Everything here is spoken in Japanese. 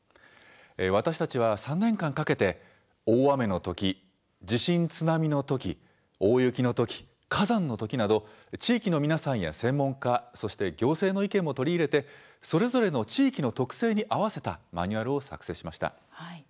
私たちは３年間かけて大雨のとき、地震・津波のとき大雪のとき、火山のときなど地域の皆さんや専門家そして行政の意見も取り入れてそれぞれの地域の特性に合わせたマニュアルを作成しました。